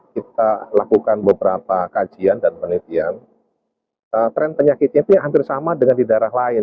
kita lakukan beberapa kajian dan penelitian tren penyakitnya itu yang hampir sama dengan di daerah lain